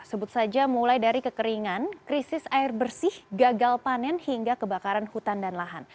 sebut saja mulai dari kekeringan krisis air bersih gagal panen hingga kebakaran hutan dan lahan